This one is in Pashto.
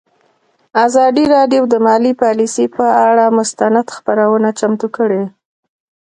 ازادي راډیو د مالي پالیسي پر اړه مستند خپرونه چمتو کړې.